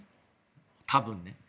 多分ね。